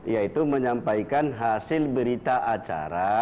yaitu menyampaikan hasil berita acara